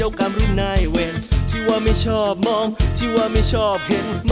อันนั้นรู้โดมกันมากี่ปีแล้ว